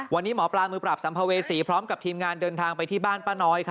วันนี้หมอปลามือปราบสัมภเวษีพร้อมกับทีมงานเดินทางไปที่บ้านป้าน้อย